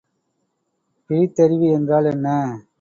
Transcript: பிரித்தறிவி என்றால் என்ன?